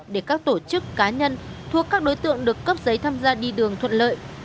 để các tổ chức cá nhân thuộc các đối tượng được cấp giấy tham gia đi đường thuận lợi